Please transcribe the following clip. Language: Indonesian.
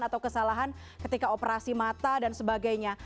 atau kesalahan ketika operasi mata dan sebagainya